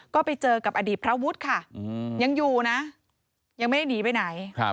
ก็ไปเจอกับอดีตพระวุฒิค่ะยังอยู่นะยังไม่ได้หนีไปไหน